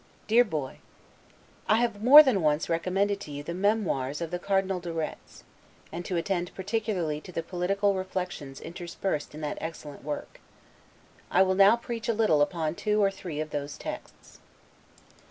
DEAR BOY: I have more than once recommended to you the "Memoirs" of the Cardinal de Retz, and to attend particularly to the political reflections interspersed in that excellent work. I will now preach a little upon two or three of those texts.